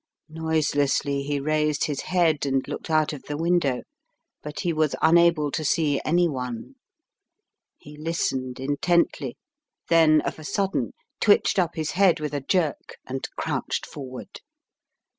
Noiselessly he raised his head and looked out of the window, but he was unable to see any one. He listened intently, then, of a sudden, twitched up his head with a jerk, and crouched forward.